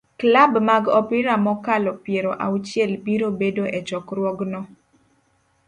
Klab mag opira mokalo piero auchiel biro bedo e chokruogno